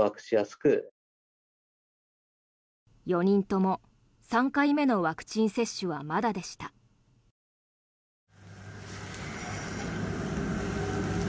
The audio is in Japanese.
４人とも３回目のワクチン接種はまだでした。